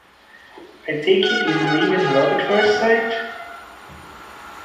I take it you believe in love at first sight?